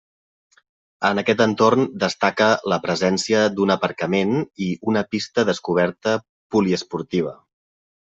En aquest entorn destaca la presència d'un aparcament i una pista descoberta poliesportiva.